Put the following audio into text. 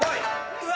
うわ！